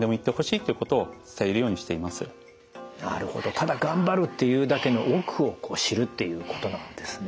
ただ頑張るっていうだけの奥を知るっていうことなんですね。